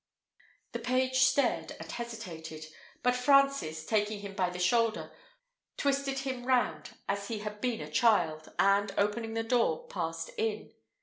The page stared and hesitated; but Francis, taking him by the shoulder, twisted him round as he had been a child, and, opening the door, passed in.